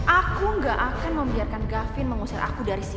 aku gak akan membiarkan gavin mengusir aku dari sini